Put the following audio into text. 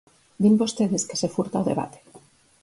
Din vostedes que se furta o debate.